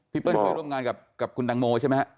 พี่เปิ้ลเคยร่วมงานกับคุณดังโมใช่ไหมครับ